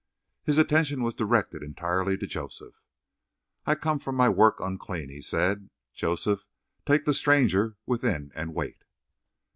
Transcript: His attention was directed entirely to Joseph. "I come from my work unclean," he said. "Joseph, take the stranger within and wait."